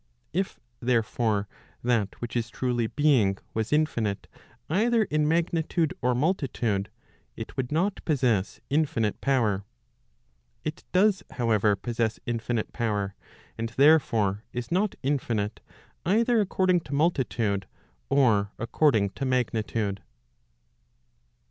If„ therefore, that which is truly being was. Digitized by t^OOQLe 360 ELEMENTS PROP. LXXXVI1. LXXXVIII. infinite either in magnitude or multitude, it would not possess infinite power. It does, however, possess infinite power; and therefore is not infi¬ nite either according to multitude, or according to magnitude.